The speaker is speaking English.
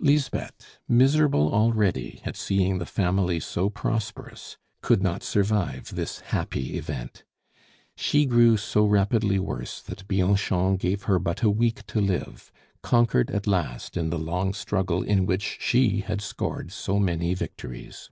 Lisbeth, miserable already at seeing the family so prosperous, could not survive this happy event. She grew so rapidly worse that Bianchon gave her but a week to live, conquered at last in the long struggle in which she had scored so many victories.